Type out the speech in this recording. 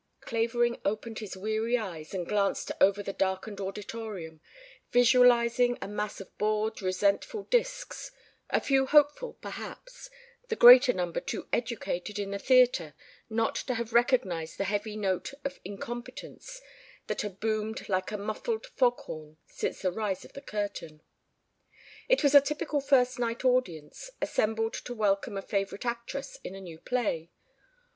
Clavering opened his weary eyes and glanced over the darkened auditorium, visualizing a mass of bored resentful disks: a few hopeful, perhaps, the greater number too educated in the theatre not to have recognized the heavy note of incompetence that had boomed like a muffled fog horn since the rise of the curtain. It was a typical first night audience, assembled to welcome a favorite actress in a new play.